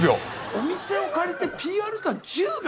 お店を借りてＰＲ時間１０秒！？